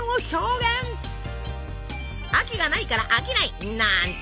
「秋」がないから「飽きない」！なんて